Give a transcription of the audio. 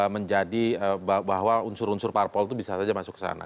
menjadi bahwa unsur unsur parpol itu bisa saja masuk ke sana